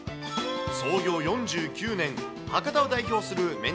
創業４９年、博多を代表するめん